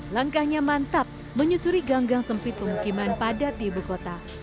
langkahnya mantap menyusuri ganggang sempit pemukiman padat di ibu kota